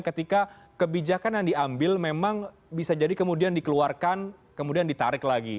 ketika kebijakan yang diambil memang bisa jadi kemudian dikeluarkan kemudian ditarik lagi